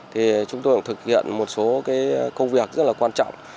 thì chúng tôi cũng thực hiện một số công việc rất là quan trọng